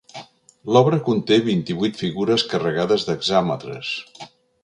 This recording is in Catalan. L'obra conté vint-i-vuit figures carregades d'hexàmetres.